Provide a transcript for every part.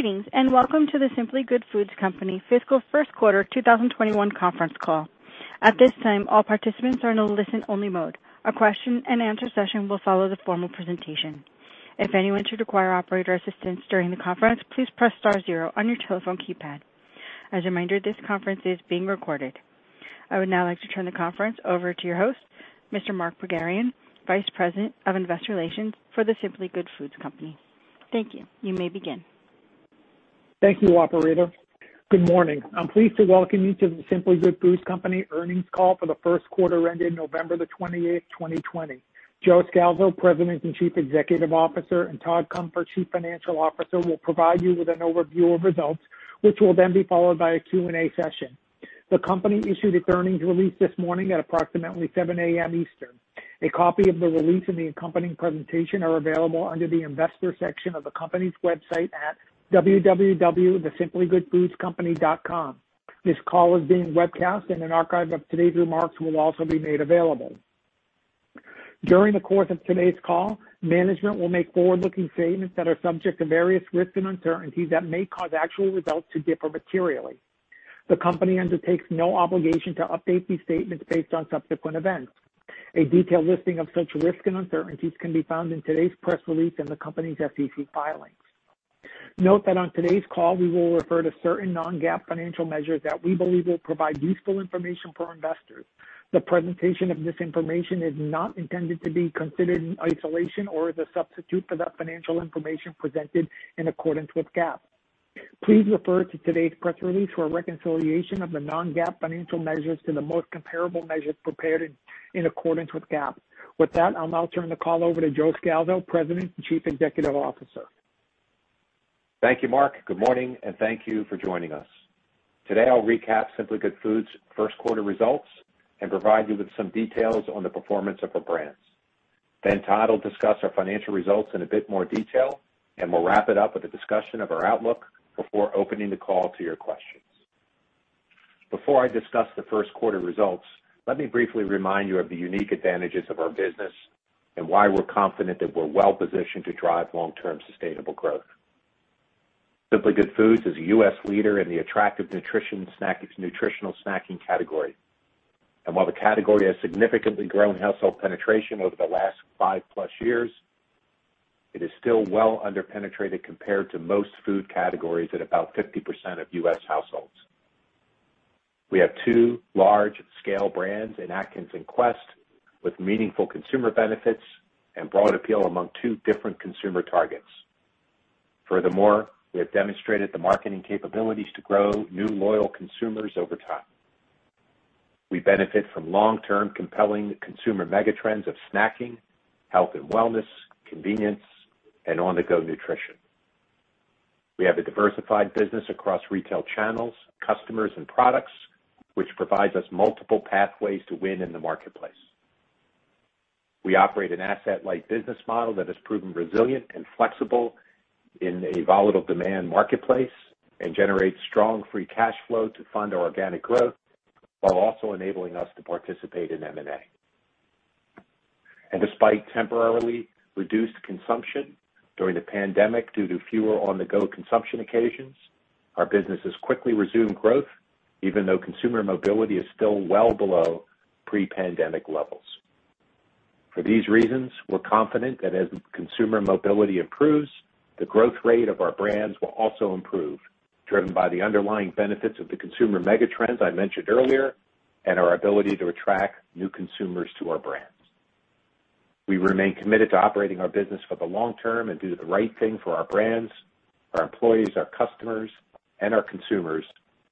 Greetings, welcome to The Simply Good Foods Company fiscal first quarter 2021 conference call. At this time, all participants are in a listen-only mode. A question and answer session will follow the formal presentation. If anyone should require operator assistance during the Conference, please Press Star zero on your telephone keypad. As a reminder, this conference is being recorded. I would now like to turn the conference over to your host, Mr. Mark Pogharian, Vice President of Investor Relations for The Simply Good Foods Company. Thank you. You may begin. Thank you, operator. Good morning. I'm pleased to welcome you to The Simply Good Foods Company earnings call for the first quarter ended November the 28th, 2020. Joe Scalzo, President and Chief Executive Officer, and Todd Cunfer, Chief Financial Officer, will provide you with an overview of results, which will then be followed by a Q&A session. The company issued its earnings release this morning at approximately 7:00 A.M. Eastern. A copy of the release and the accompanying presentation are available under the Investors section of the company's website at www.thesimplygoodfoodcompany.com. This call is being webcast, and an archive of today's remarks will also be made available. During the course of today's call, management will make forward-looking statements that are subject to various risks and uncertainties that may cause actual results to differ materially. The company undertakes no obligation to update these statements based on subsequent events. A detailed listing of such risks and uncertainties can be found in today's press release and the company's SEC filings. Note that on today's call, we will refer to certain non-GAAP financial measures that we believe will provide useful information for investors. The presentation of this information is not intended to be considered in isolation or as a substitute for the financial information presented in accordance with GAAP. Please refer to today's press release for a reconciliation of the non-GAAP financial measures to the most comparable measures prepared in accordance with GAAP. With that, I'll now turn the call over to Joe Scalzo, President and Chief Executive Officer. Thank you, Mark. Good morning, thank you for joining us. Today, I'll recap Simply Good Foods' first quarter results and provide you with some details on the performance of our brands. Todd will discuss our financial results in a bit more detail, and we'll wrap it up with a discussion of our outlook before opening the call to your questions. Before I discuss the first quarter results, let me briefly remind you of the unique advantages of our business and why we're confident that we're well-positioned to drive long-term sustainable growth. Simply Good Foods is a U.S. leader in the attractive nutritional snacking category. While the category has significantly grown household penetration over the last five-plus years, it is still well under-penetrated compared to most food categories at about 50% of U.S. households. We have two large-scale brands in Atkins and Quest, with meaningful consumer benefits and broad appeal among two different consumer targets. Furthermore, we have demonstrated the marketing capabilities to grow new loyal consumers over time. We benefit from long-term compelling consumer mega trends of snacking, health and wellness, convenience, and on-the-go nutrition. We have a diversified business across retail channels, customers, and products, which provides us multiple pathways to win in the marketplace. We operate an asset-light business model that has proven resilient and flexible in a volatile demand marketplace and generates strong free cash flow to fund our organic growth while also enabling us to participate in M&A. Despite temporarily reduced consumption during the pandemic due to fewer on-the-go consumption occasions, our business has quickly resumed growth, even though consumer mobility is still well below pre-pandemic levels. For these reasons, we're confident that as consumer mobility improves, the growth rate of our brands will also improve, driven by the underlying benefits of the consumer mega trends I mentioned earlier and our ability to attract new consumers to our brands. We remain committed to operating our business for the long term and do the right thing for our brands, our employees, our customers, and our consumers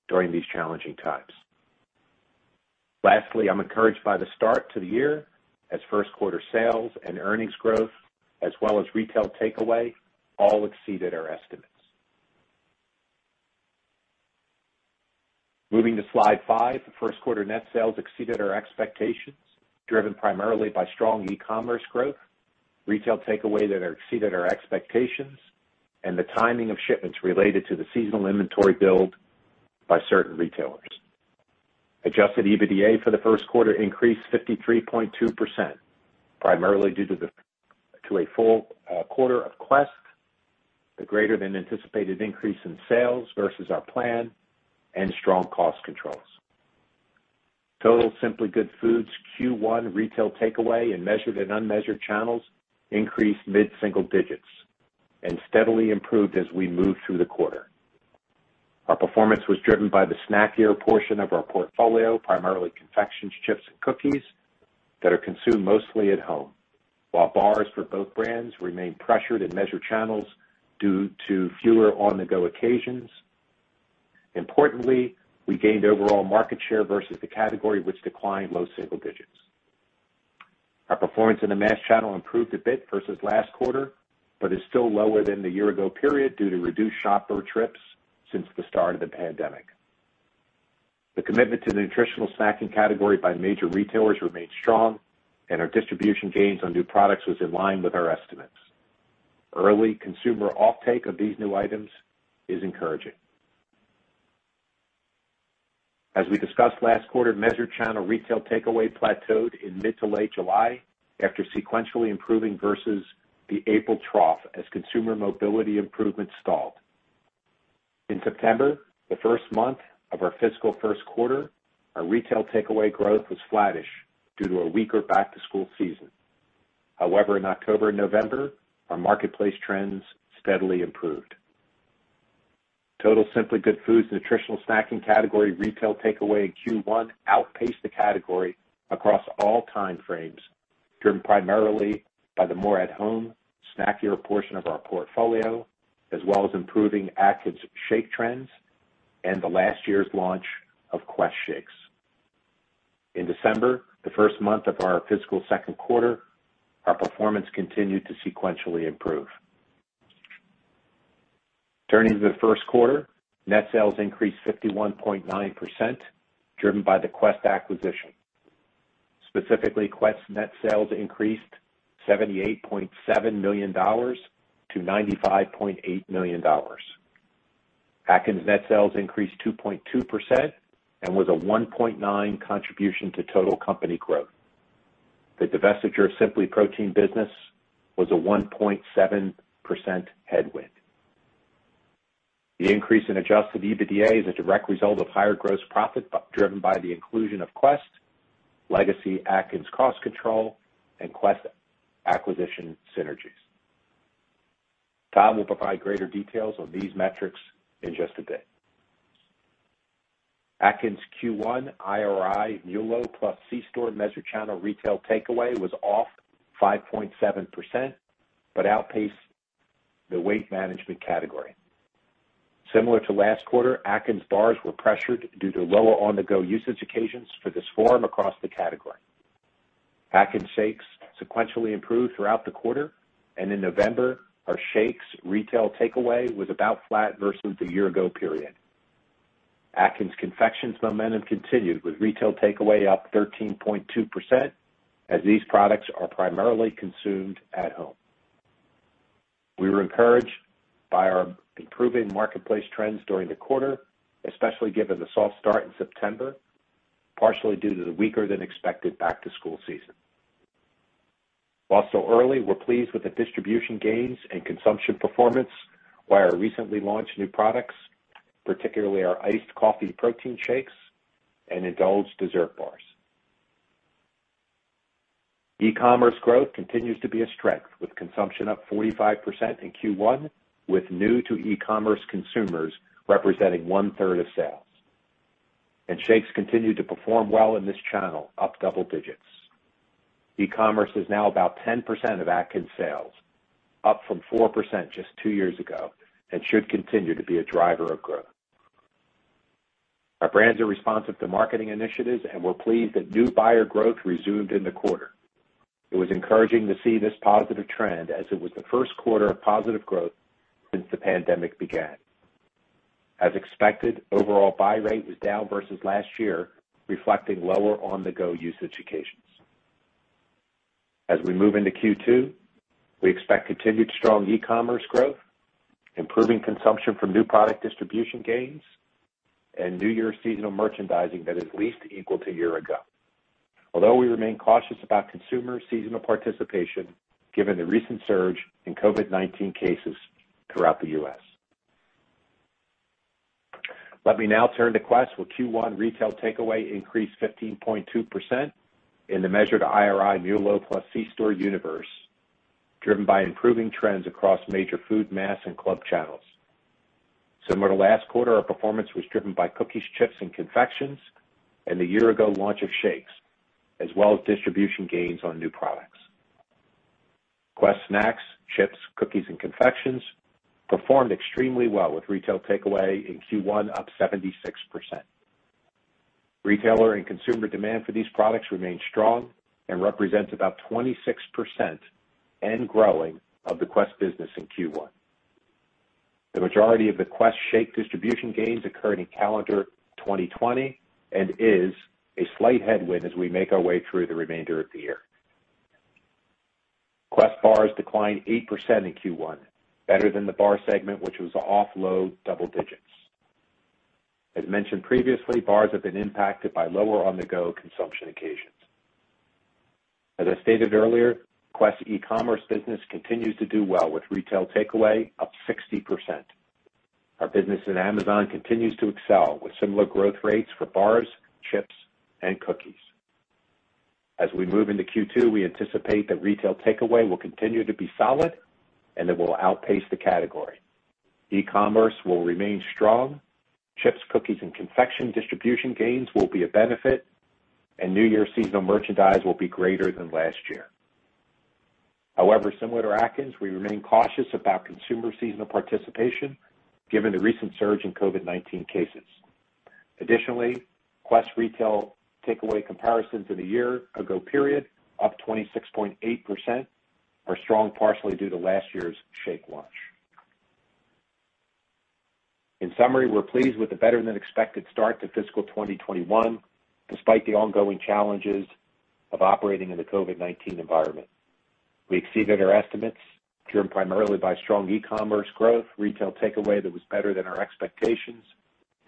during these challenging times. Lastly, I'm encouraged by the start to the year as first quarter sales and earnings growth, as well as retail takeaway, all exceeded our estimates. Moving to slide five, first quarter net sales exceeded our expectations, driven primarily by strong e-commerce growth, retail takeaway that exceeded our expectations, and the timing of shipments related to the seasonal inventory build by certain retailers. Adjusted EBITDA for the first quarter increased 53.2%, primarily due to a full quarter of Quest, the greater than anticipated increase in sales versus our plan, and strong cost controls. Total Simply Good Foods Q1 retail takeaway in measured and unmeasured channels increased mid-single digits and steadily improved as we moved through the quarter. Our performance was driven by the snackier portion of our portfolio, primarily confections, chips, and cookies that are consumed mostly at home, while bars for both brands remain pressured in measured channels due to fewer on-the-go occasions. Importantly, we gained overall market share versus the category, which declined low single digits. Our performance in the mass channel improved a bit versus last quarter, but is still lower than the year ago period due to reduced shopper trips since the start of the pandemic. The commitment to the nutritional snacking category by major retailers remains strong, and our distribution gains on new products was in line with our estimates. Early consumer offtake of these new items is encouraging. As we discussed last quarter, measured channel retail takeaway plateaued in mid to late July after sequentially improving versus the April trough as consumer mobility improvements stalled. In September, the first month of our fiscal first quarter, our retail takeaway growth was flattish due to a weaker back-to-school season. However, in October and November, our marketplace trends steadily improved. Total Simply Good Foods nutritional snacking category retail takeaway in Q1 outpaced the category across all time frames, driven primarily by the more at-home snackier portion of our portfolio, as well as improving Atkins shake trends and the last year's launch of Quest shakes. In December, the first month of our fiscal second quarter, our performance continued to sequentially improve. Turning to the first quarter, net sales increased 51.9%, driven by the Quest acquisition. Specifically, Quest net sales increased $78.7 - $95.8 million. Atkins net sales increased 2.2% and was a 1.9 contribution to total company growth. The divestiture of SimplyProtein business was a 1.7% headwind. The increase in adjusted EBITDA is a direct result of higher gross profit driven by the inclusion of Quest, legacy Atkins cost control, and Quest acquisition synergies. Todd will provide greater details on these metrics in just a bit. Atkins Q1 IRI/Nielsen plus c-store measured channel retail takeaway was off 5.7%, but outpaced the weight management category. Similar to last quarter, Atkins bars were pressured due to lower on-the-go usage occasions for this form across the category. Atkins shakes sequentially improved throughout the quarter. In November, our shakes retail takeaway was about flat versus the year-ago period. Atkins confections momentum continued with retail takeaway up 13.2% as these products are primarily consumed at home. We were encouraged by our improving marketplace trends during the quarter, especially given the soft start in September, partially due to the weaker than expected back-to-school season. While still early, we're pleased with the distribution gains and consumption performance by our recently launched new products, particularly our iced coffee protein shakes and Endulge dessert bars. E-commerce growth continues to be a strength with consumption up 45% in Q1 with new to e-commerce consumers representing one-third of sales. Shakes continued to perform well in this channel, up double digits. E-commerce is now about 10% of Atkins sales, up from 4% just two years ago, and should continue to be a driver of growth. Our brands are responsive to marketing initiatives, and we're pleased that new buyer growth resumed in the quarter. It was encouraging to see this positive trend as it was the first quarter of positive growth since the pandemic began. As expected, overall buy rate was down versus last year, reflecting lower on-the-go usage occasions. As we move into Q2, we expect continued strong e-commerce growth, improving consumption from new product distribution gains, and new year seasonal merchandising that is least equal to year ago. Although we remain cautious about consumer seasonal participation given the recent surge in COVID-19 cases throughout the U.S. Let me now turn to Quest, where Q1 retail takeaway increased 15.2% in the measured IRI/Nielsen plus c-store universe, driven by improving trends across major food, mass, and club channels. Similar to last quarter, our performance was driven by cookies, chips, and confections, and the year ago launch of shakes, as well as distribution gains on new products. Quest snacks, chips, cookies, and confections performed extremely well with retail takeaway in Q1 up 76%. Retailer and consumer demand for these products remain strong and represents about 26% and growing of the Quest business in Q1. The majority of the Quest shake distribution gains occurred in calendar 2020 and is a slight headwind as we make our way through the remainder of the year. Quest bars declined 8% in Q1, better than the bar segment, which was off low double digits. As mentioned previously, bars have been impacted by lower on-the-go consumption occasions. As I stated earlier, Quest e-commerce business continues to do well with retail takeaway up 60%. Our business in Amazon continues to excel with similar growth rates for bars, chips, and cookies. As we move into Q2, we anticipate that retail takeaway will continue to be solid and that we'll outpace the category. E-commerce will remain strong. Chips, cookies, and confection distribution gains will be a benefit, and New Year seasonal merchandise will be greater than last year. However, similar to Atkins, we remain cautious about consumer seasonal participation given the recent surge in COVID-19 cases. Additionally, Quest retail takeaway comparisons in a year ago period, up 26.8%, are strong partially due to last year's shake launch. In summary, we're pleased with the better-than-expected start to fiscal 2021 despite the ongoing challenges of operating in the COVID-19 environment. We exceeded our estimates driven primarily by strong e-commerce growth, retail takeaway that was better than our expectations,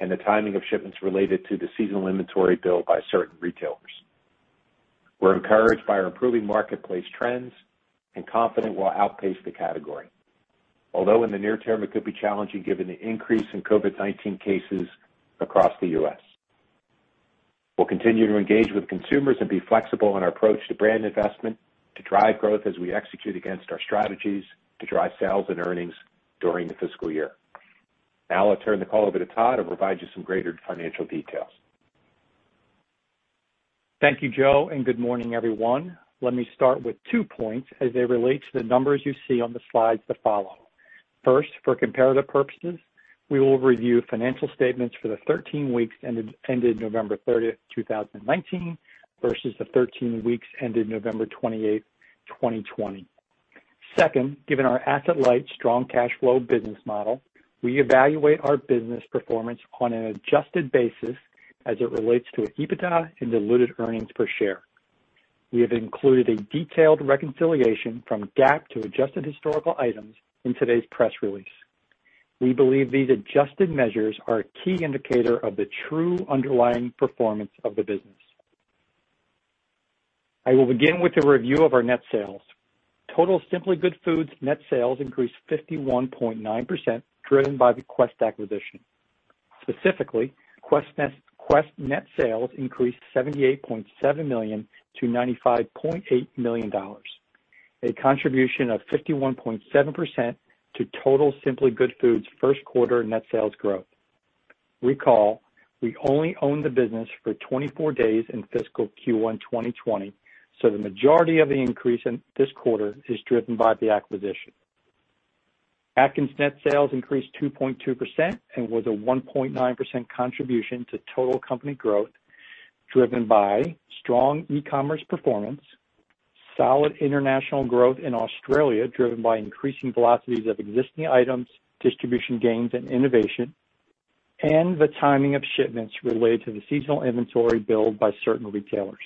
and the timing of shipments related to the seasonal inventory build by certain retailers. We're encouraged by our improving marketplace trends and confident we'll outpace the category. In the near term, it could be challenging given the increase in COVID-19 cases across the U.S. We'll continue to engage with consumers and be flexible in our approach to brand investment to drive growth as we execute against our strategies to drive sales and earnings during the fiscal year. I'll turn the call over to Todd to provide you some greater financial details. Thank you, Joe, and good morning, everyone. Let me start with two points as they relate to the numbers you see on the slides that follow. First, for comparative purposes, we will review financial statements for the 13 weeks ended November 30th, 2019, versus the 13 weeks ended November 28th, 2020. Second, given our asset-light strong cash flow business model, we evaluate our business performance on an adjusted basis as it relates to EBITDA and diluted earnings per share. We have included a detailed reconciliation from GAAP to adjusted historical items in today's press release. We believe these adjusted measures are a key indicator of the true underlying performance of the business. I will begin with a review of our net sales. Total Simply Good Foods net sales increased 51.9%, driven by the Quest acquisition. Specifically, Quest net sales increased $78.7 million - $95.8 million, a contribution of 51.7% to total Simply Good Foods' first quarter net sales growth. Recall, we only owned the business for 24 days in fiscal Q1 2020, so the majority of the increase in this quarter is driven by the acquisition. Atkins net sales increased 2.2% and was a 1.9% contribution to total company growth, driven by strong e-commerce performance, solid international growth in Australia, driven by increasing velocities of existing items, distribution gains, and innovation, and the timing of shipments related to the seasonal inventory build by certain retailers.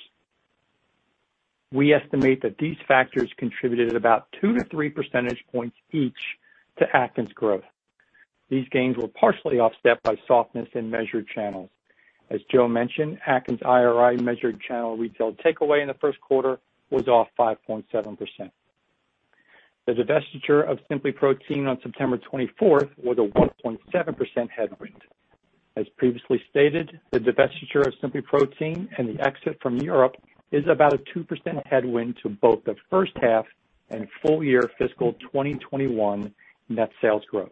We estimate that these factors contributed about 2 - 3 percentage points each to Atkins growth. These gains were partially offset by softness in measured channels. As Joe mentioned, Atkins IRI measured channel retail takeaway in the first quarter was off 5.7%. The divestiture of SimplyProtein on September 24th was a 1.7% headwind. As previously stated, the divestiture of SimplyProtein and the exit from Europe is about a 2% headwind to both the first half and full year fiscal 2021 net sales growth.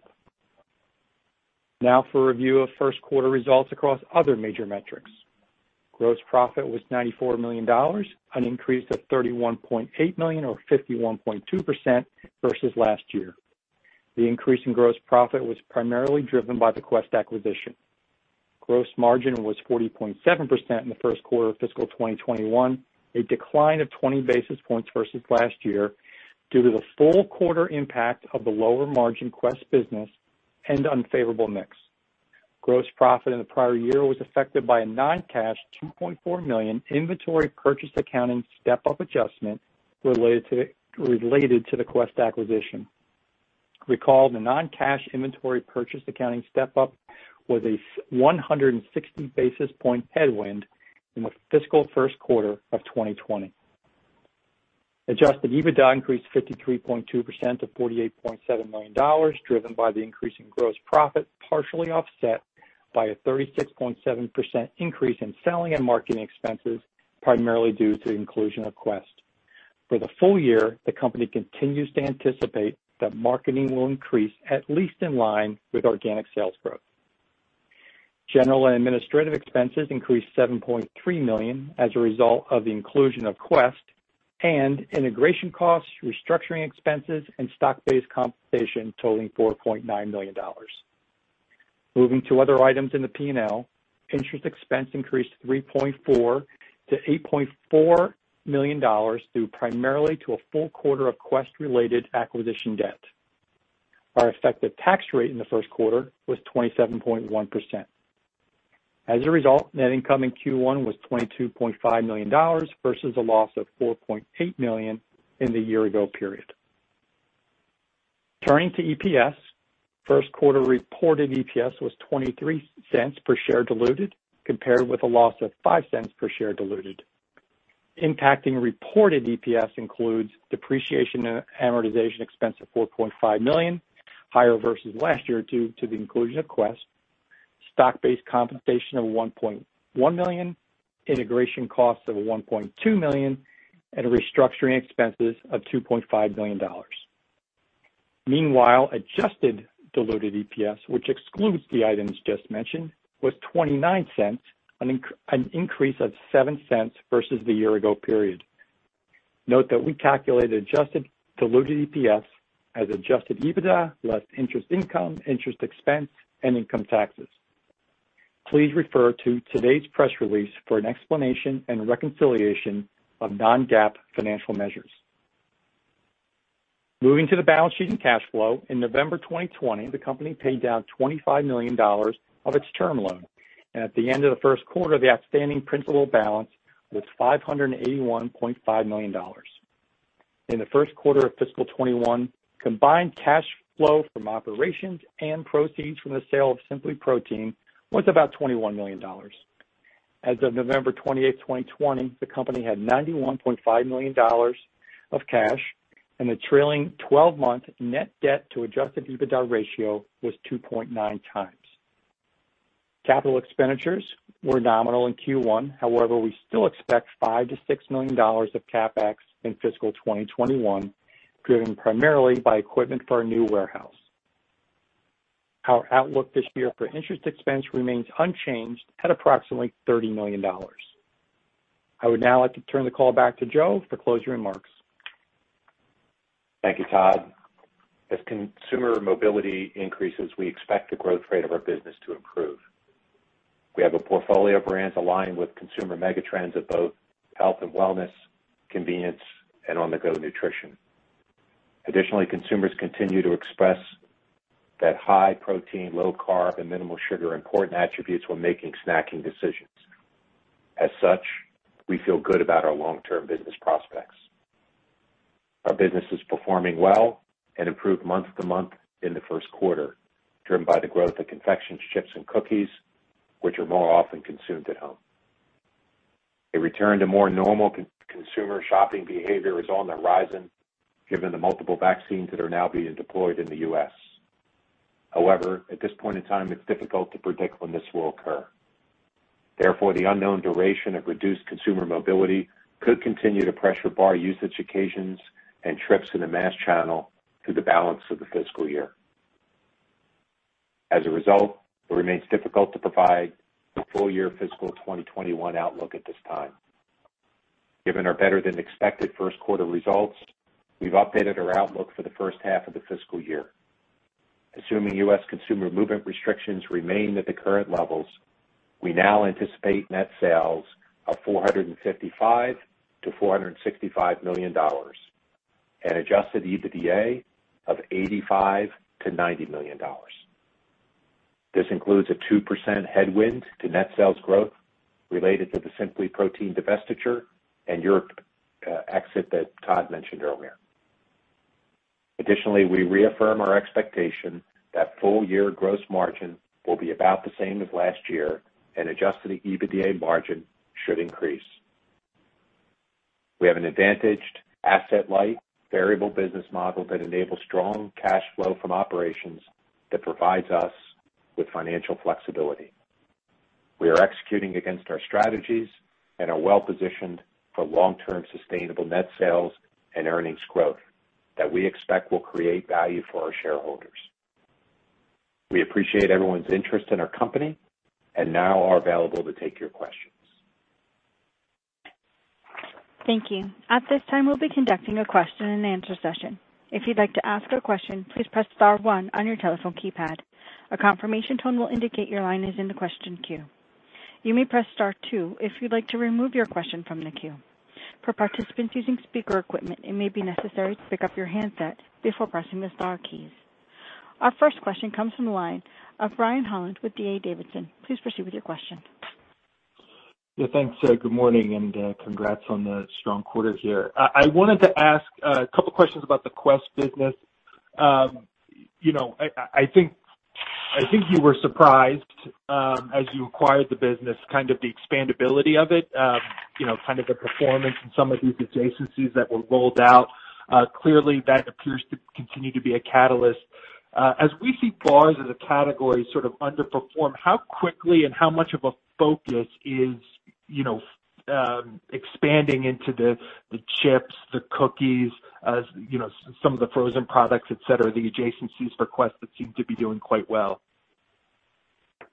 For a review of first quarter results across other major metrics. Gross profit was $94 million, an increase of $31.8 million or 51.2% versus last year. The increase in gross profit was primarily driven by the Quest acquisition. Gross margin was 40.7% in the first quarter of fiscal 2021, a decline of 20 basis points versus last year due to the full quarter impact of the lower margin Quest business and unfavorable mix. Gross profit in the prior year was affected by a non-cash $2.4 million inventory purchase accounting step-up adjustment related to the Quest acquisition. Recall, the non-cash inventory purchase accounting step-up was a 160 basis point headwind in the fiscal first quarter of 2020. Adjusted EBITDA increased 53.2% to $48.7 million, driven by the increase in gross profit, partially offset by a 36.7% increase in selling and marketing expenses, primarily due to the inclusion of Quest. For the full year, the company continues to anticipate that marketing will increase at least in line with organic sales growth. General & administrative expenses increased $7.3 million as a result of the inclusion of Quest and integration costs, restructuring expenses, and stock-based compensation totaling $4.9 million. Moving to other items in the P&L. Interest expense increased $3.4 - $8.4 million due primarily to a full quarter of Quest-related acquisition debt. Our effective tax rate in the first quarter was 27.1%. As a result, net income in Q1 was $22.5 million versus a loss of $4.8 million in the year ago period. Turning to EPS. First quarter reported EPS was $0.23 per share diluted, compared with a loss of $0.05 per share diluted. Impacting reported EPS includes depreciation and amortization expense of $4.5 million, higher versus last year due to the inclusion of Quest, stock-based compensation of $1.1 million, integration costs of $1.2 million, and restructuring expenses of $2.5 million. Adjusted diluted EPS, which excludes the items just mentioned, was $0.29, an increase of $0.07 versus the year ago period. Note that we calculate adjusted diluted EPS as adjusted EBITDA, less interest income, interest expense, and income taxes. Please refer to today's press release for an explanation and reconciliation of non-GAAP financial measures. Moving to the balance sheet and cash flow. In November 2020, the company paid down $25 million of its term loan, and at the end of the first quarter, the outstanding principal balance was $581.5 million. In the first quarter of fiscal 2021, combined cash flow from operations and proceeds from the sale of SimplyProtein was about $21 million. As of November 28th, 2020, the company had $91.5 million of cash, and the trailing 12 month net debt to adjusted EBITDA ratio was 2.9x. Capital expenditures were nominal in Q1. However, we still expect $5 million-$6 million of CapEx in fiscal 2021, driven primarily by equipment for our new warehouse. Our outlook this year for interest expense remains unchanged at approximately $30 million. I would now like to turn the call back to Joe for closing remarks. Thank you, Todd. As consumer mobility increases, we expect the growth rate of our business to improve. We have a portfolio of brands aligned with consumer megatrends of both health and wellness, convenience, and on-the-go nutrition. Additionally, consumers continue to express that high protein, low carb, and minimal sugar are important attributes when making snacking decisions. We feel good about our long-term business prospects. Our business is performing well and improved month-over-month in the first quarter, driven by the growth of confections, chips, and cookies, which are more often consumed at home. A return to more normal consumer shopping behavior is on the horizon given the multiple vaccines that are now being deployed in the U.S. At this point in time, it's difficult to predict when this will occur. Therefore, the unknown duration of reduced consumer mobility could continue to pressure bar usage occasions and trips in the mass channel through the balance of the fiscal year. As a result, it remains difficult to provide a full-year fiscal 2021 outlook at this time. Given our better-than-expected first quarter results, we've updated our outlook for the first half of the fiscal year. Assuming U.S. consumer movement restrictions remain at the current levels, we now anticipate net sales of $455 - $465 million and adjusted EBITDA of $85 - $90 million. This includes a 2% headwind to net sales growth related to the SimplyProtein divestiture and Europe exit that Todd mentioned earlier. Additionally, we reaffirm our expectation that full-year gross margin will be about the same as last year and adjusted EBITDA margin should increase. We have an advantaged asset-light variable business model that enables strong cash flow from operations that provides us with financial flexibility. We are executing against our strategies and are well-positioned for long-term sustainable net sales and earnings growth that we expect will create value for our shareholders. We appreciate everyone's interest in our company and now are available to take your questions. Thank you. At this time, we'll be conducting a question and answer session. If you'd like to ask a question, please press star one on your telephone keypad. A confirmation tone will indicate your line is in the question queue. You may press star two if you'd like to remove your question from the queue. For participants using speaker equipment, it may be necessary to pick up your handset before pressing the star keys. Our first question comes from the line of Brian Holland with D.A. Davidson. Please proceed with your question. Yeah, thanks. Good morning, and congrats on the strong quarter here. I wanted to ask a couple questions about the Quest business. I think you were surprised, as you acquired the business, kind of the expandability of it, kind of the performance in some of these adjacencies that were rolled out. Clearly, that appears to continue to be a catalyst. As we see bars as a category sort of underperform, how quickly and how much of a focus is expanding into the chips, the cookies, some of the frozen products, et cetera, the adjacencies for Quest that seem to be doing quite well?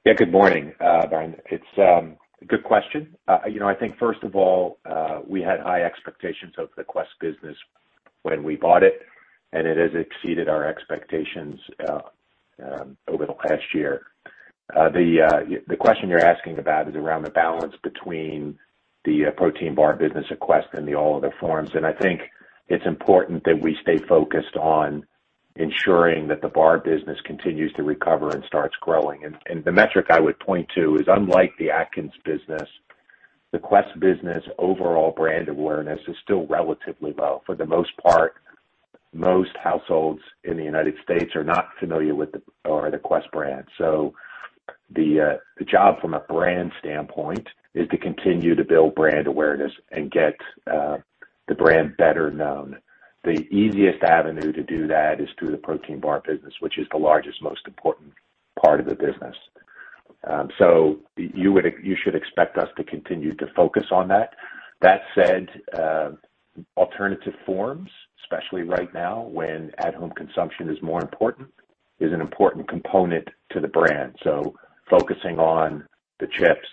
Good morning, Brian. It's a good question. I think first of all, we had high expectations of the Quest business when we bought it, and it has exceeded our expectations over the past year. The question you're asking about is around the balance between the protein bar business at Quest and the all other forms. I think it's important that we stay focused on ensuring that the bar business continues to recover and starts growing. The metric I would point to is unlike the Atkins business, the Quest business overall brand awareness is still relatively low. For the most part, most households in the U.S. are not familiar with or the Quest brand. The job from a brand standpoint is to continue to build brand awareness and get the brand better known. The easiest avenue to do that is through the protein bar business, which is the largest, most important part of the business. You should expect us to continue to focus on that. That said, alternative forms, especially right now when at-home consumption is more important, is an important component to the brand. Focusing on the chips,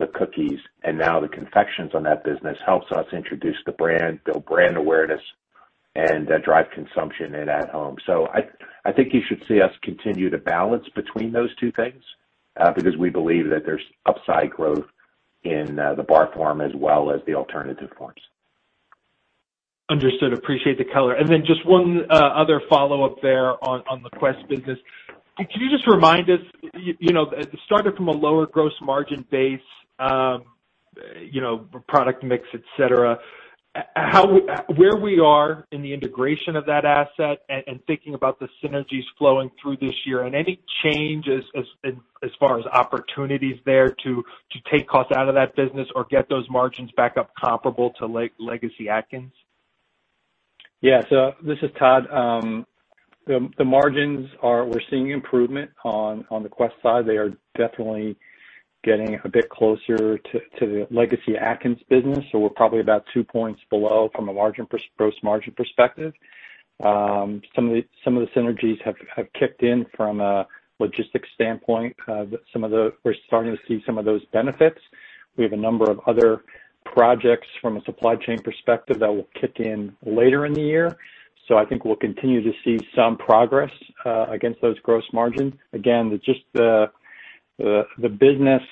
the cookies, and now the confections on that business helps us introduce the brand, build brand awareness, and drive consumption in at home. I think you should see us continue to balance between those two things, because we believe that there's upside growth in the bar form as well as the alternative forms. Understood. Appreciate the color. Just one other follow-up there on the Quest business. Could you just remind us, it started from a lower gross margin base, product mix, et cetera, where we are in the integration of that asset and thinking about the synergies flowing through this year, and any changes as far as opportunities there to take costs out of that business or get those margins back up comparable to Legacy Atkins? Yeah. This is Todd. The margins, we're seeing improvement on the Quest side. They are definitely getting a bit closer to the legacy Atkins business. We're probably about two points below from a gross margin perspective. Some of the synergies have kicked in from a logistics standpoint. We're starting to see some of those benefits. We have a number of other projects from a supply chain perspective that will kick in later in the year. I think we'll continue to see some progress against those gross margins. Again, just the business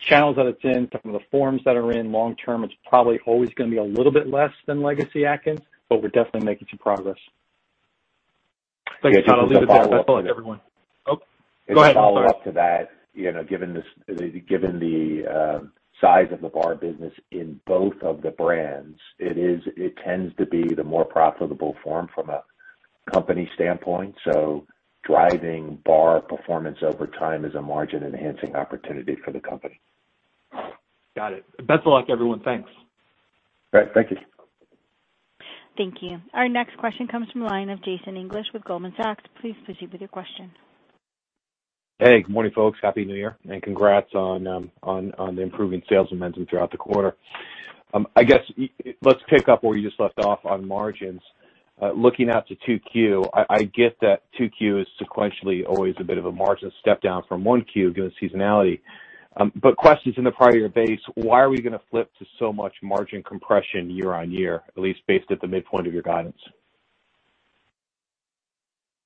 channels that it's in, some of the forms that are in, long term, it's probably always going to be a little bit less than legacy Atkins, but we're definitely making some progress. Thanks, Todd. I'll leave it there. Best of luck, everyone. Oh, go ahead. I'm sorry. Just a follow-up to that. Given the size of the bar business in both of the brands, it tends to be the more profitable form from a company standpoint. Driving bar performance over time is a margin-enhancing opportunity for the company. Got it. Best of luck, everyone. Thanks. All right. Thank you. Thank you. Our next question comes from the line of Jason English with Goldman Sachs. Please proceed with your question. Hey, good morning, folks. Happy New Year, congrats on the improving sales momentum throughout the quarter. I guess let's pick up where you just left off on margins. Looking out to 2Q, I get that 2Q is sequentially always a bit of a margin step down from 1Q given seasonality. Question is, in the prior year base, why are we going to flip to so much margin compression year-over-year, at least based at the midpoint of your guidance?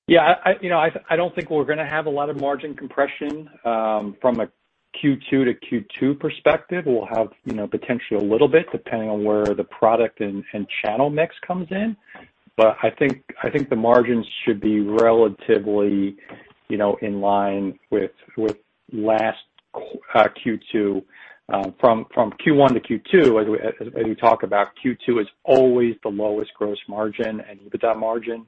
I don't think we're going to have a lot of margin compression from a Q2 - Q2 perspective. We'll have potentially a little bit depending on where the product and channel mix comes in. I think the margins should be relatively in line with last Q2. From Q1 - Q2, as we talk about, Q2 is always the lowest gross margin and EBITDA margin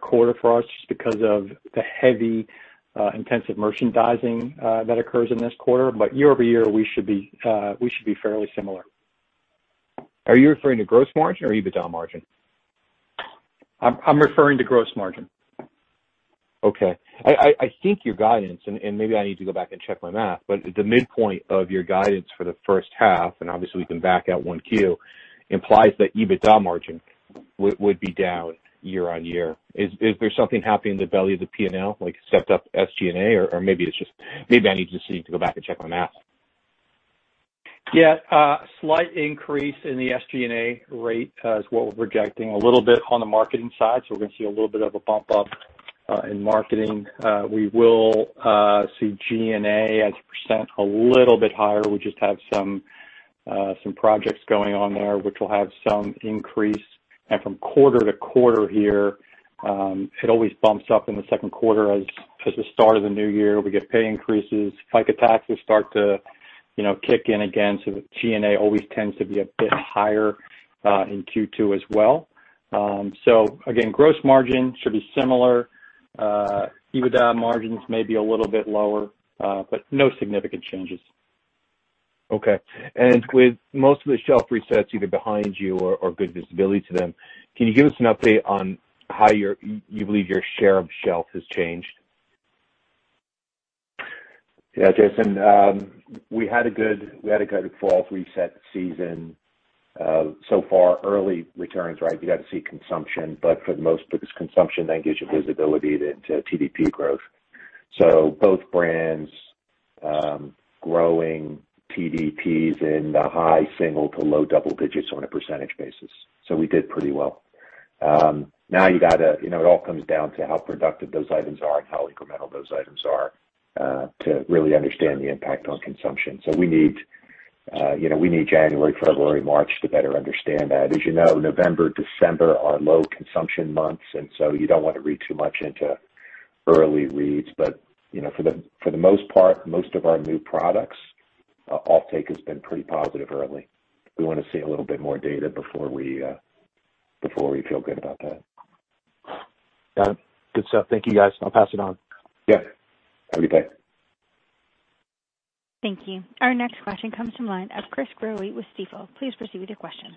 quarter for us just because of the heavy, intensive merchandising that occurs in this quarter. Year-over-year, we should be fairly similar. Are you referring to gross margin or EBITDA margin? I'm referring to gross margin. Okay. I think your guidance, and maybe I need to go back and check my math, but the midpoint of your guidance for the first half, and obviously we can back out 1Q, implies that EBITDA margin would be down year-over-year. Is there something happening in the belly of the P&L, like stepped up SG&A, or maybe I just need to go back and check my math? Yeah. Slight increase in the SG&A rate is what we're projecting. A little bit on the marketing side, we're going to see a little bit of a bump up in marketing. We will see G&A as a % a little bit higher. We just have some projects going on there which will have some increase. From quarter to quarter here, it always bumps up in the second quarter as the start of the new year. We get pay increases, FICA taxes start to kick in again. The G&A always tends to be a bit higher in Q2 as well. Again, gross margin should be similar. EBITDA margins may be a little bit lower, no significant changes. Okay. With most of the shelf resets either behind you or good visibility to them, can you give us an update on how you believe your share of shelf has changed? Jason. We had a good fall reset season so far. Early returns, right, you got to see consumption. For the most, because consumption then gives you visibility into TDP growth. Both brands growing TDPs in the high single to low double digits on a percentage basis. We did pretty well. Now it all comes down to how productive those items are and how incremental those items are to really understand the impact on consumption. We need January, February, March to better understand that. As you know, November, December are low consumption months, you don't want to read too much into early reads. For the most part, most of our new products off-take has been pretty positive early. We want to see a little bit more data before we feel good about that. Got it. Good stuff. Thank you, guys. I'll pass it on. Yeah. Have a good day. Thank you. Our next question comes from the line of Chris Growe with Stifel. Please proceed with your question.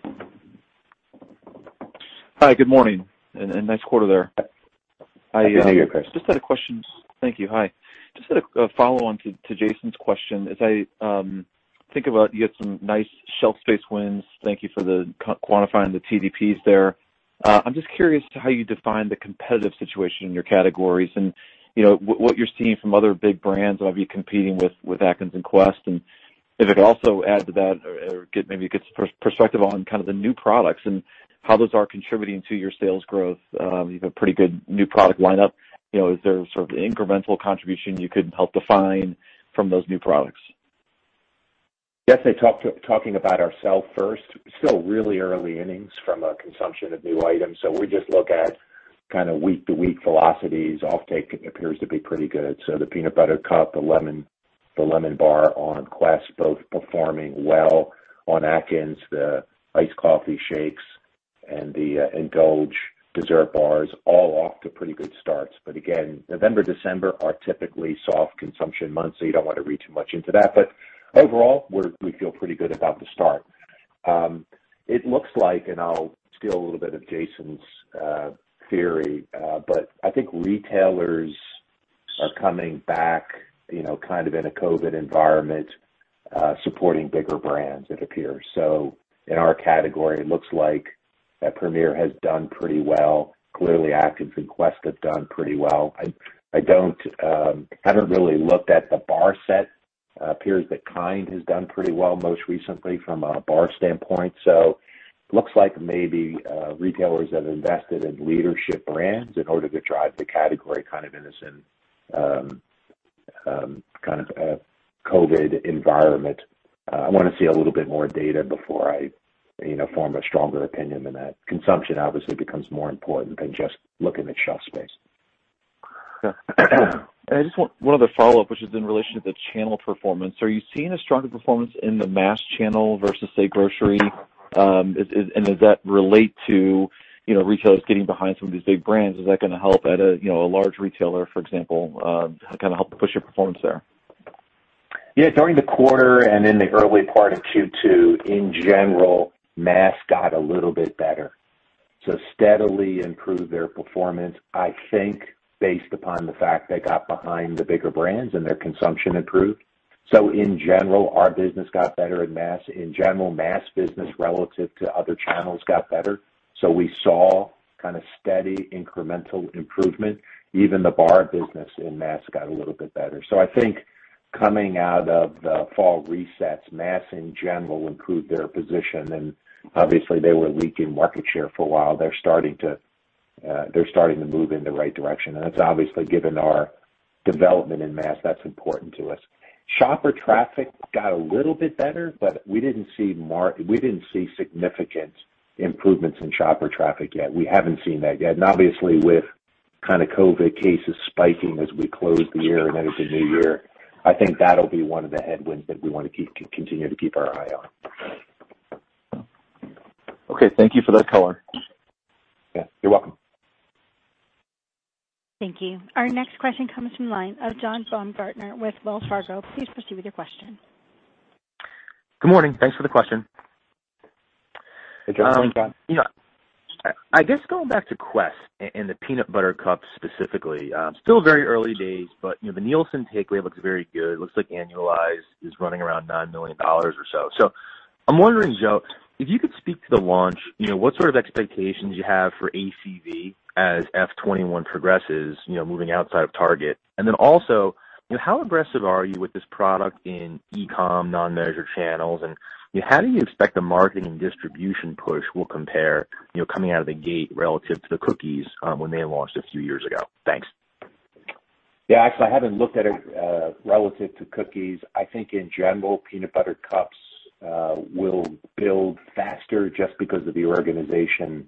Hi, good morning, and nice quarter there. Happy new year, Chris. Just had a question. Thank you. Hi. Just had a follow-on to Jason's question. As I think about, you had some nice shelf space wins. Thank you for quantifying the TDPs there. I'm just curious to how you define the competitive situation in your categories and what you're seeing from other big brands that might be competing with Atkins and Quest. If I could also add to that or maybe get perspective on kind of the new products and how those are contributing to your sales growth. You have a pretty good new product lineup. Is there sort of incremental contribution you could help define from those new products? Yes, talking about ourselves first, still really early innings from a consumption of new items. We just look at kind of week-to-week velocities. Offtake appears to be pretty good. The peanut butter cup, the lemon bar on Quest, both performing well. On Atkins, the iced coffee shakes and the Endulge dessert bars all off to pretty good starts. Again, November, December are typically soft consumption months, so you don't want to read too much into that. Overall, we feel pretty good about the start. It looks like, and I'll steal a little bit of Jason's theory, but I think retailers are coming back kind of in a COVID environment, supporting bigger brands, it appears. In our category, it looks like Premier has done pretty well. Clearly, Atkins and Quest have done pretty well. I haven't really looked at the bar set. Appears that KIND has done pretty well most recently from a bar standpoint. Looks like maybe retailers have invested in leadership brands in order to drive the category kind of in a COVID environment. I want to see a little bit more data before I form a stronger opinion than that. Consumption obviously becomes more important than just looking at shelf space. I just want one other follow-up, which is in relation to the channel performance. Are you seeing a stronger performance in the mass channel versus, say, grocery? Does that relate to retailers getting behind some of these big brands? Is that going to help at a large retailer, for example, kind of help push your performance there? Yeah, during the quarter and in the early part of Q2, in general, mass got a little bit better. Steadily improved their performance, I think based upon the fact they got behind the bigger brands and their consumption improved. In general, our business got better in mass. In general, mass business relative to other channels got better. We saw kind of steady incremental improvement. Even the bar business in mass got a little bit better. I think coming out of the fall resets, mass in general improved their position, and obviously they were leaking market share for a while. They're starting to move in the right direction, and that's obviously given our development in mass, that's important to us. Shopper traffic got a little bit better, but we didn't see significant improvements in shopper traffic yet. We haven't seen that yet. Obviously with kind of COVID cases spiking as we close the year and enter the new year, I think that'll be one of the headwinds that we want to continue to keep our eye on. Okay. Thank you for that color. Yeah, you're welcome. Thank you. Our next question comes from the line of John Baumgartner with Wells Fargo. Please proceed with your question. Good morning. Thanks for the question. Hey John. How are you doing, John? I guess going back to Quest and the peanut butter cups specifically, still very early days, but the Nielsen takeaway looks very good. Looks like annualized is running around $9 million or so. I'm wondering, Joe, if you could speak to the launch, what sort of expectations you have for ACV as FY 2021 progresses moving outside of Target? Also, how aggressive are you with this product in e-com, non-measured channels, and how do you expect the marketing and distribution push will compare coming out of the gate relative to the cookies when they launched a few years ago? Thanks. Yeah. Actually, I haven't looked at it relative to cookies. I think in general, peanut butter cups will build faster just because of the organization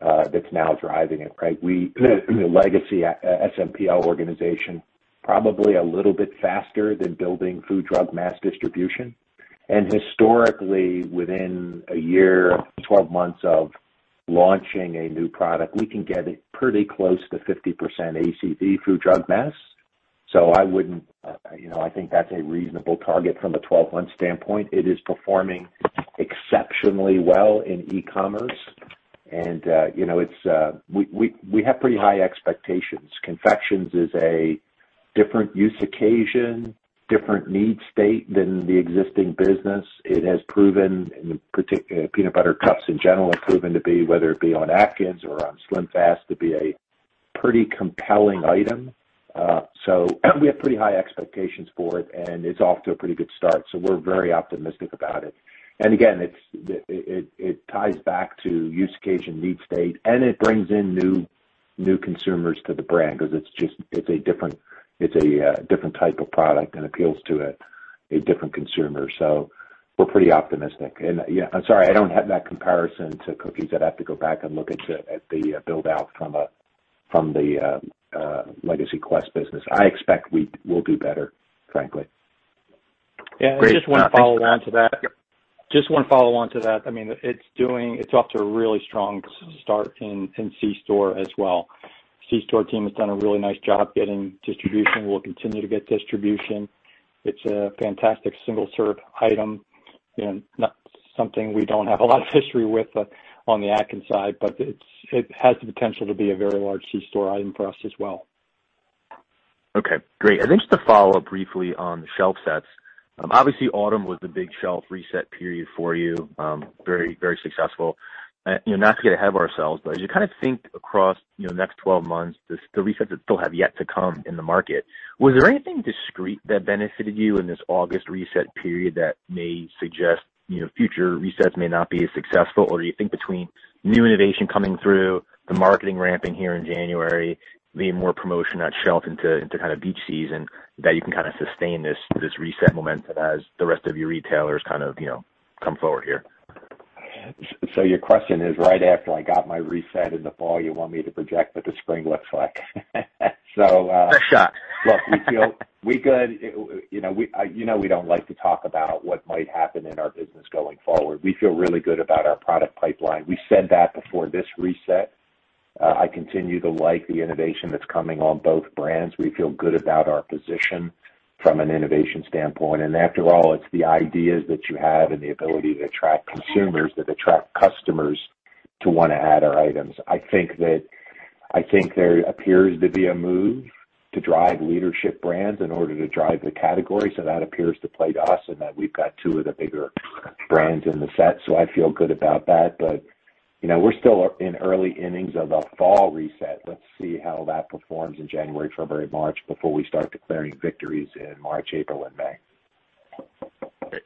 that's now driving it, right? The legacy SMPL organization, probably a little bit faster than building food, drug, mass distribution. Historically, within a year, 12 months of launching a new product, we can get it pretty close to 50% ACV food, drug, mass. I think that's a reasonable target from a 12 month standpoint. It is performing exceptionally well in e-commerce and we have pretty high expectations. Confections is a different use occasion, different need state than the existing business. Peanut butter cups in general have proven to be, whether it be on Atkins or on SlimFast, to be a pretty compelling item. We have pretty high expectations for it, and it's off to a pretty good start. We're very optimistic about it. Again, it ties back to use occasion, need state, and it brings in new consumers to the brand because it's a different type of product and appeals to a different consumer. We're pretty optimistic. I'm sorry, I don't have that comparison to cookies. I'd have to go back and look at the build-out from the legacy Quest business. I expect we will do better, frankly. Great. Yeah, I just want to follow on to that. I mean, it's off to a really strong start in C-store as well. C-store team has done a really nice job getting distribution. We'll continue to get distribution. It's a fantastic single-serve item. Not something we don't have a lot of history with on the Atkins side, but it has the potential to be a very large C-store item for us as well. Okay, great. Then just to follow up briefly on the shelf sets. Obviously, autumn was the big shelf reset period for you. Very successful. Not to get ahead of ourselves, but as you kind of think across next 12 months, the resets that still have yet to come in the market, was there anything discrete that benefited you in this August reset period that may suggest future resets may not be as successful? Or do you think between new innovation coming through, the marketing ramping here in January, maybe more promotion at shelf into kind of beach season, that you can kind of sustain this reset momentum as the rest of your retailers kind of come forward here? Your question is right after I got my reset in the fall, you want me to project what the spring looks like? Sure. Look, we don't like to talk about what might happen in our business going forward. We feel really good about our product pipeline. We said that before this reset. I continue to like the innovation that's coming on both brands. We feel good about our position from an innovation standpoint, and after all, it's the ideas that you have and the ability to attract consumers, that attract customers to want to add our items. I think there appears to be a move to drive leadership brands in order to drive the category, so that appears to play to us in that we've got two of the bigger brands in the set. I feel good about that. We're still in early innings of a fall reset. Let's see how that performs in January, February, March, before we start declaring victories in March, April, and May. Great.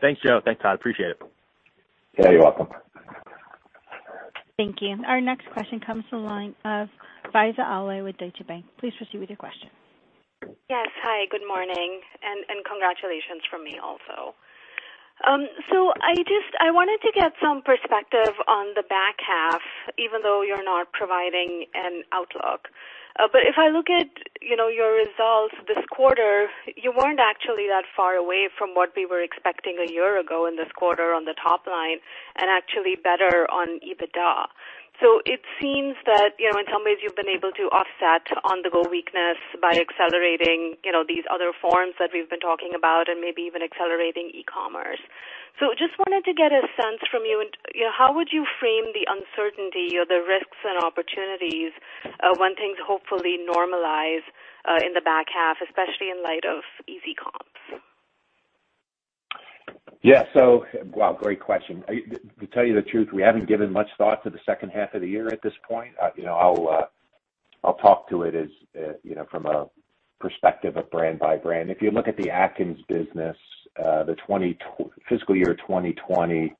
Thanks, Joe. Thanks, Todd. Appreciate it. Yeah, you're welcome. Thank you. Our next question comes from the line of Faiza Alwy with Deutsche Bank. Please proceed with your question. Yes. Hi, good morning, and congratulations from me also. I wanted to get some perspective on the back half, even though you're not providing an outlook. If I look at your results this quarter, you weren't actually that far away from what we were expecting a year ago in this quarter on the top line, and actually better on EBITDA. It seems that in some ways, you've been able to offset on-the-go weakness by accelerating these other forms that we've been talking about, and maybe even accelerating e-commerce. Just wanted to get a sense from you and how would you frame the uncertainty or the risks and opportunities when things hopefully normalize in the back half, especially in light of easy comps? Yeah. Wow, great question. To tell you the truth, we haven't given much thought to the second half of the year at this point. I'll talk to it from a perspective of brand by brand. If you look at the Atkins business, the fiscal year 2020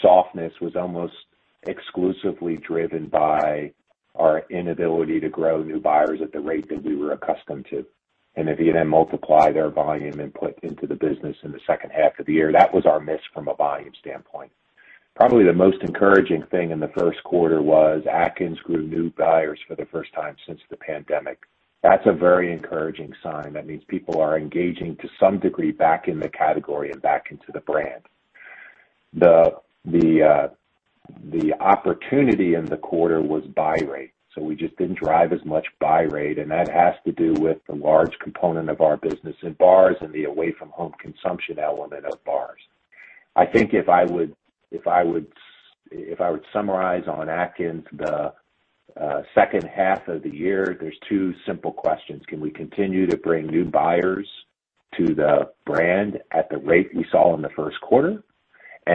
softness was almost exclusively driven by our inability to grow new buyers at the rate that we were accustomed to, and if you then multiply their volume input into the business in the second half of the year, that was our miss from a volume standpoint. Probably the most encouraging thing in the first quarter was Atkins grew new buyers for the first time since the pandemic. That's a very encouraging sign. That means people are engaging to some degree back in the category and back into the brand. The opportunity in the quarter was buy rate. We just didn't drive as much buy rate, and that has to do with the large component of our business in bars and the away-from-home consumption element of bars. I think if I would summarize on Atkins, the second half of the year, there's two simple questions. Can we continue to bring new buyers to the brand at the rate we saw in the first quarter?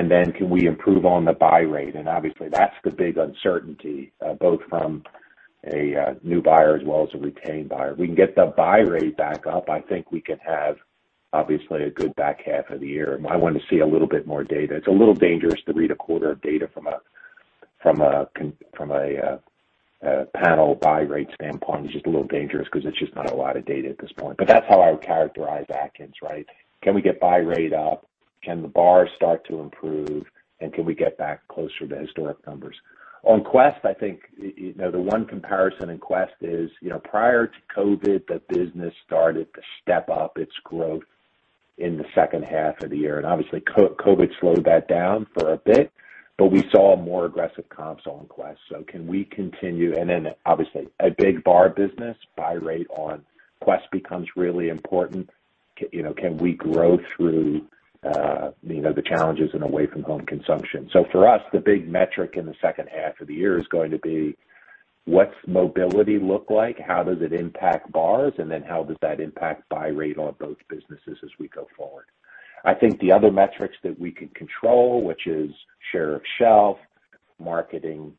Then can we improve on the buy rate? Obviously, that's the big uncertainty, both from a new buyer as well as a retained buyer. We can get the buy rate back up, I think we can have, obviously, a good back half of the year. I want to see a little bit more data. It's a little dangerous to read a quarter of data from a panel buy rate standpoint. It's just a little dangerous because it's just not a lot of data at this point. That's how I would characterize Atkins, right? Can we get buy rate up? Can the bar start to improve, and can we get back closer to historic numbers? On Quest, I think, the one comparison in Quest is, prior to COVID, the business started to step up its growth in the second half of the year, and obviously COVID slowed that down for a bit, but we saw more aggressive comps on Quest. Obviously a big bar business buy rate on Quest becomes really important. Can we grow through the challenges in away-from-home consumption? For us, the big metric in the second half of the year is going to be what's mobility look like, how does it impact bars, and how does that impact buy rate on both businesses as we go forward. I think the other metrics that we can control, which is share of shelf, marketing,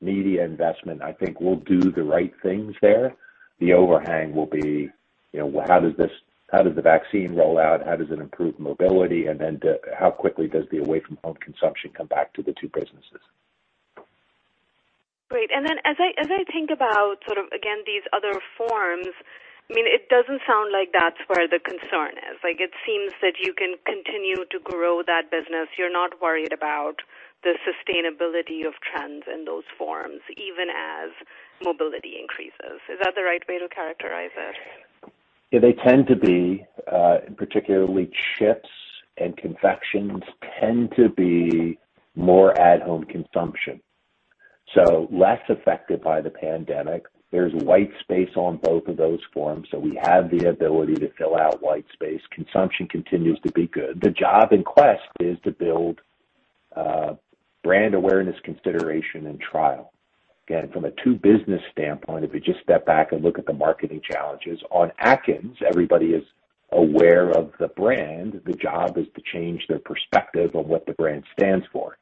media investment, I think we'll do the right things there. The overhang will be, how does the vaccine roll out? How does it improve mobility? How quickly does the away-from-home consumption come back to the two businesses? Great. As I think about sort of, again, these other forms, it doesn't sound like that's where the concern is. It seems that you can continue to grow that business. You're not worried about the sustainability of trends in those forms, even as mobility increases. Is that the right way to characterize it? Yeah, they tend to be, particularly chips and confections, tend to be more at-home consumption, so less affected by the pandemic. There's white space on both of those forms, so we have the ability to fill out white space. Consumption continues to be good. The job in Quest is to build brand awareness, consideration, and trial. From a two business standpoint, if you just step back and look at the marketing challenges on Atkins, everybody is aware of the brand. The job is to change their perspective on what the brand stands for.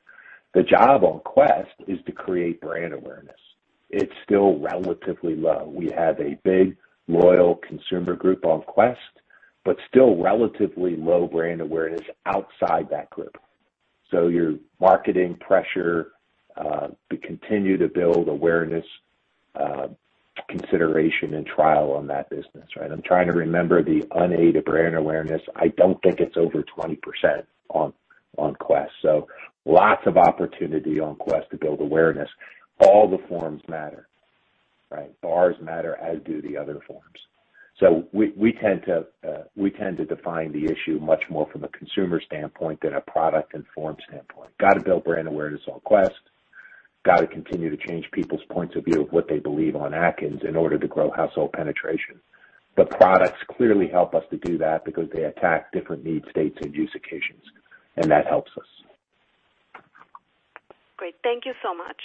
The job on Quest is to create brand awareness. It's still relatively low. We have a big loyal consumer group on Quest, but still relatively low brand awareness outside that group. Your marketing pressure to continue to build awareness, consideration and trial on that business, right? I'm trying to remember the unaided brand awareness. I don't think it's over 20% on Quest. Lots of opportunity on Quest to build awareness. All the forms matter, right? Bars matter, as do the other forms. We tend to define the issue much more from a consumer standpoint than a product and form standpoint. Got to build brand awareness on Quest, got to continue to change people's points of view of what they believe on Atkins in order to grow household penetration. The products clearly help us to do that because they attack different need states and use occasions, and that helps us. Great. Thank you so much.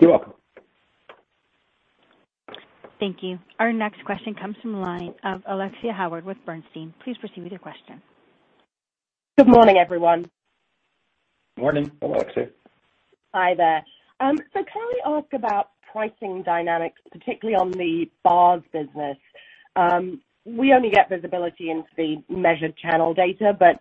You're welcome. Thank you. Our next question comes from the line of Alexia Howard with Bernstein. Please proceed with your question. Good morning, everyone. Morning. Hello, Alexia. Hi there. Can we ask about pricing dynamics, particularly on the bars business? We only get visibility into the measured channel data, but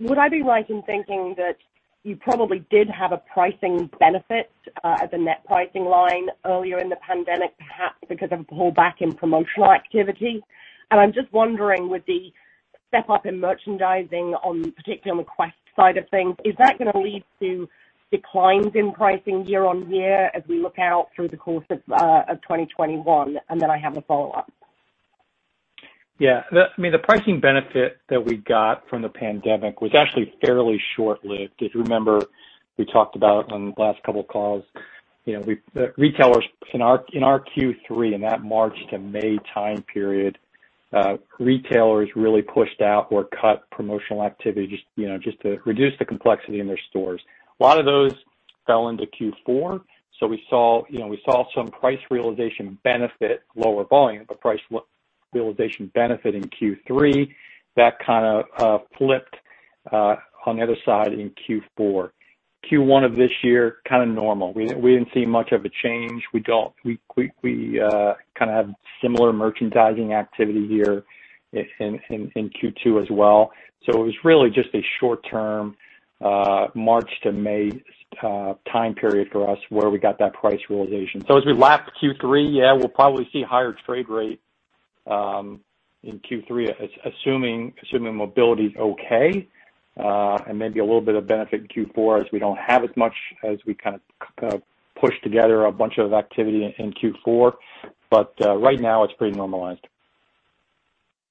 would I be right in thinking that you probably did have a pricing benefit at the net pricing line earlier in the pandemic, perhaps because of a pullback in promotional activity? I'm just wondering, with the step up in merchandising on, particularly on the Quest side of things, is that going to lead to declines in pricing year on year as we look out through the course of 2021? Then I have a follow-up. Yeah. The pricing benefit that we got from the pandemic was actually fairly short-lived. If you remember, we talked about on the last couple of calls, in our Q3, in that March to May time period, retailers really pushed out or cut promotional activity just to reduce the complexity in their stores. A lot of those fell into Q4. We saw some price realization benefit, lower volume, but price realization benefit in Q3. That kind of flipped on the other side in Q4. Q1 of this year, kind of normal. We didn't see much of a change. We kind of have similar merchandising activity here in Q2 as well. It was really just a short term March to May time period for us where we got that price realization. As we lap Q3, yeah, we'll probably see higher trade rate in Q3, assuming mobility's okay. Maybe a little bit of benefit in Q4 as we don't have as much as we kind of push together a bunch of activity in Q4. Right now, it's pretty normalized.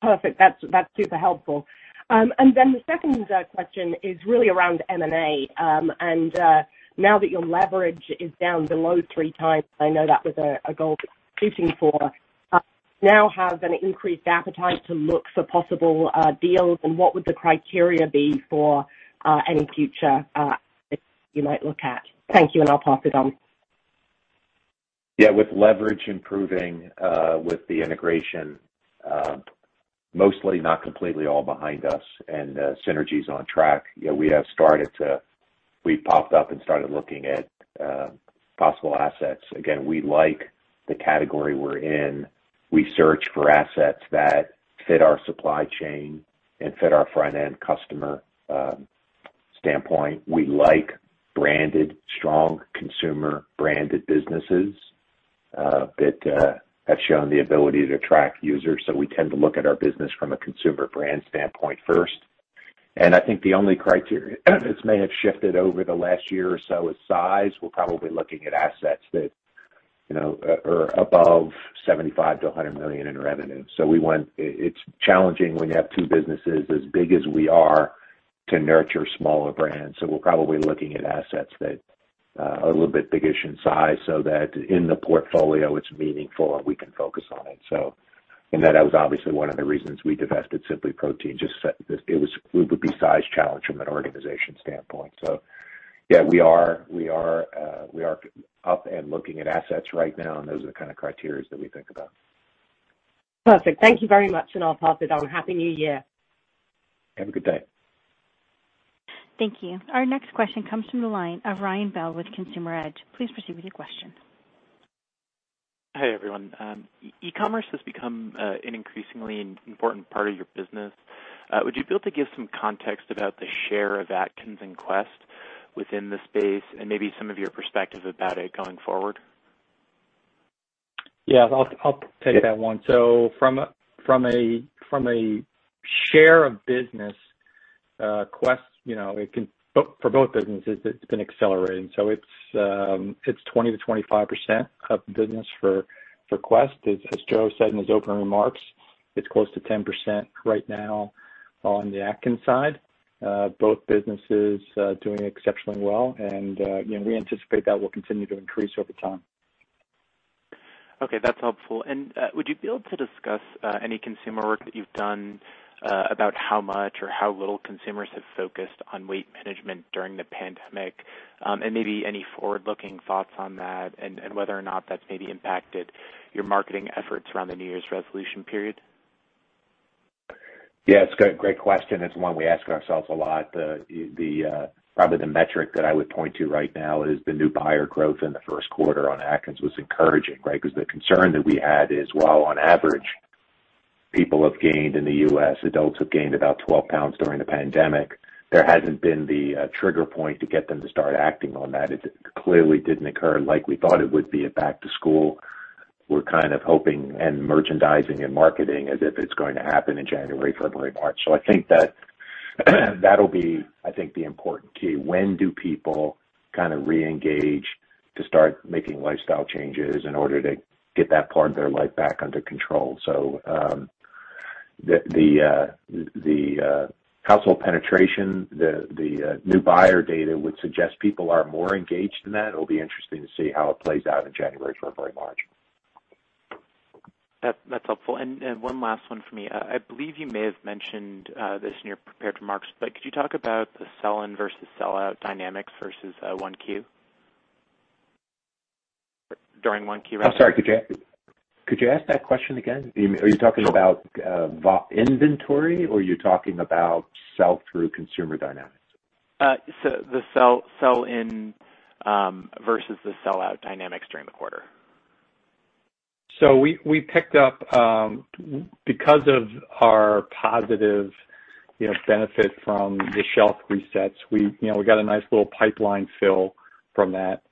Perfect. That's super helpful. The second question is really around M&A. Now that your leverage is down below three times, I know that was a goal shooting for, now have an increased appetite to look for possible deals, and what would the criteria be for any future you might look at? Thank you, and I'll pass it on. Yeah, with leverage improving, with the integration mostly, not completely all behind us and synergies on track, we've popped up and started looking at possible assets. Again, we like the category we're in. We search for assets that fit our supply chain and fit our front-end customer standpoint. We like branded, strong consumer branded businesses that have shown the ability to attract users. We tend to look at our business from a consumer brand standpoint first. I think the only criteria that may have shifted over the last year or so is size. We're probably looking at assets that are above $75 million-$100 million in revenue. It's challenging when you have two businesses as big as we are to nurture smaller brands. We're probably looking at assets that are a little bit bigger in size so that in the portfolio, it's meaningful, and we can focus on it. That was obviously one of the reasons we divested SimplyProtein, just it would be size challenge from an organization standpoint. We are up and looking at assets right now, and those are the kind of criteria that we think about. Perfect. Thank you very much, and I'll pass it on. Happy New Year. Have a good day. Thank you. Our next question comes from the line of Ryan Bell with Consumer Edge. Please proceed with your question. Hi, everyone. E-commerce has become an increasingly important part of your business. Would you be able to give some context about the share of Atkins and Quest within the space and maybe some of your perspective about it going forward? Yeah, I'll take that one. From a share of business, for both businesses, it's been accelerating. It's 20%-25% of business for Quest. As Joe said in his opening remarks, it's close to 10% right now on the Atkins side. Both businesses doing exceptionally well, and we anticipate that will continue to increase over time. Okay, that's helpful. Would you be able to discuss any consumer work that you've done about how much or how little consumers have focused on weight management during the pandemic? Maybe any forward-looking thoughts on that and whether or not that's maybe impacted your marketing efforts around the New Year's resolution period? Yeah, it's a great question. It's one we ask ourselves a lot. Probably the metric that I would point to right now is the new buyer growth in the first quarter on Atkins was encouraging, right? The concern that we had is while on average, people have gained in the U.S. adults have gained about 12 pounds during the pandemic. There hasn't been the trigger point to get them to start acting on that. It clearly didn't occur like we thought it would be at back to school. We're kind of hoping and merchandising and marketing as if it's going to happen in January, February, March. I think that that'll be, I think, the important key. When do people re-engage to start making lifestyle changes in order to get that part of their life back under control? The household penetration, the new buyer data would suggest people are more engaged in that. It'll be interesting to see how it plays out in January, February, March. That's helpful. One last one for me. I believe you may have mentioned this in your prepared remarks, but could you talk about the sell-in versus sellout dynamics versus 1Q? I'm sorry. Could you ask that question again? Are you talking about inventory or you're talking about sell-through consumer dynamics? The sell-in versus the sellout dynamics during the quarter. We picked up, because of our positive benefit from the shelf resets, we got a nice little pipeline fill from that.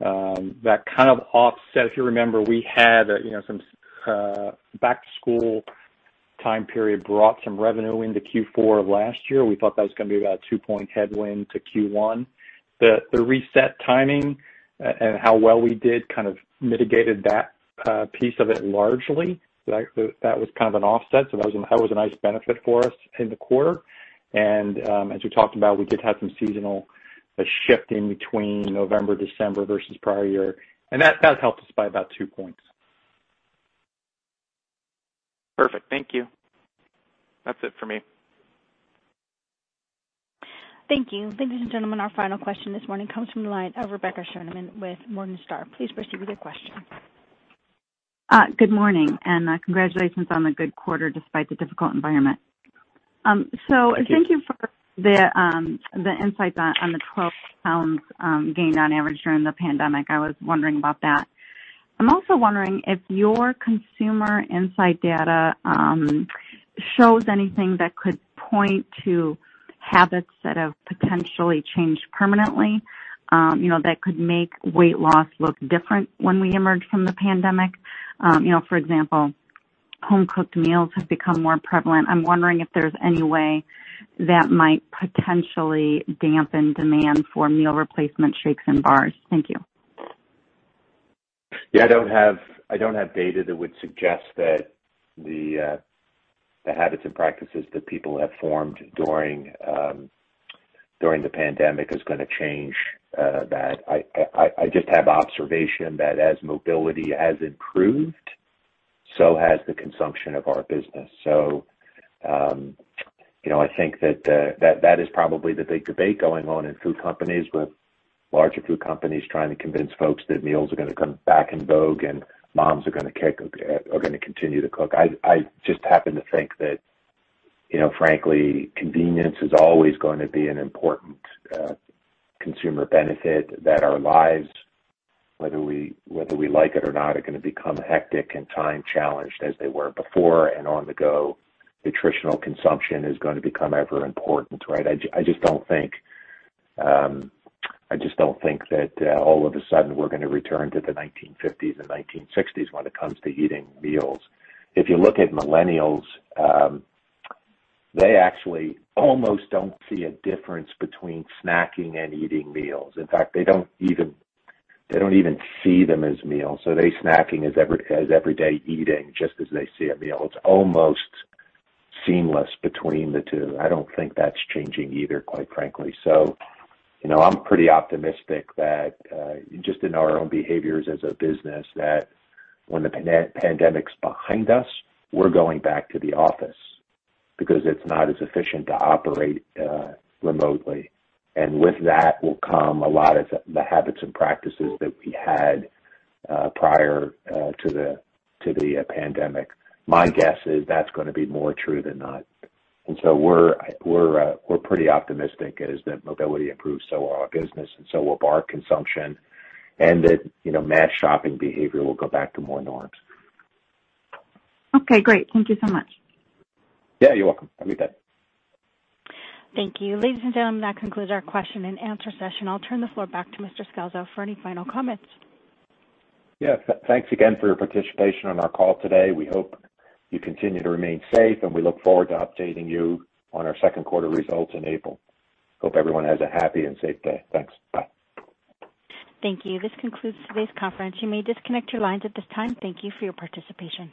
That kind of offset, if you remember, we had some back-to-school time period, brought some revenue into Q4 of last year. We thought that was going to be about a two point headwind to Q1. The reset timing and how well we did kind of mitigated that piece of it largely. That was kind of an offset. That was a nice benefit for us in the quarter. As we talked about, we did have some seasonal shift in between November, December versus prior year, and that helped us by about two points. Perfect. Thank you. That's it for me. Thank you. Ladies and gentlemen, our final question this morning comes from the line of Rebecca Scheuneman with Morgan Stanley. Please proceed with your question. Good morning. Congratulations on the good quarter despite the difficult environment. Thank you. Thank you for the insight on the 12 pounds gained on average during the pandemic. I was wondering about that. I am also wondering if your consumer insight data shows anything that could point to habits that have potentially changed permanently, that could make weight loss look different when we emerge from the pandemic. For example, home-cooked meals have become more prevalent. I am wondering if there is any way that might potentially dampen demand for meal replacement shakes and bars. Thank you. I don't have data that would suggest that the habits and practices that people have formed during the pandemic is gonna change that. I just have observation that as mobility has improved, so has the consumption of our business. I think that is probably the big debate going on in food companies with larger food companies trying to convince folks that meals are gonna come back in vogue and moms are gonna continue to cook. I just happen to think that, frankly, convenience is always going to be an important consumer benefit, that our lives, whether we like it or not, are gonna become hectic and time-challenged as they were before and on the go. Nutritional consumption is going to become ever important, right? I just don't think that all of a sudden we're gonna return to the 1950s and 1960s when it comes to eating meals. If you look at millennials, they actually almost don't see a difference between snacking and eating meals. In fact, they don't even see them as meals. They snacking is everyday eating, just as they see a meal. It's almost seamless between the two. I don't think that's changing either, quite frankly. I'm pretty optimistic that, just in our own behaviors as a business, that when the pandemic's behind us, we're going back to the office because it's not as efficient to operate remotely. With that will come a lot of the habits and practices that we had prior to the pandemic. My guess is that's gonna be more true than not. We're pretty optimistic as that mobility improves, so will our business and so will bar consumption and that mass shopping behavior will go back to more norms. Okay, great. Thank you so much. Yeah, you're welcome. Have a good day. Thank you. Ladies and gentlemen, that concludes our question and answer session. I'll turn the floor back to Mr. Scalzo for any final comments. Yes. Thanks again for your participation on our call today. We hope you continue to remain safe, and we look forward to updating you on our second quarter results in April. Hope everyone has a happy and safe day. Thanks. Bye. Thank you. This concludes today's conference. You may disconnect your lines at this time. Thank you for your participation.